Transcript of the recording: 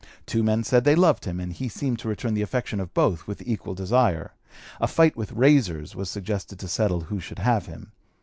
Two men said they loved him, and he seemed to return the affection of both with equal desire. A fight with razors was suggested to settle who should have him.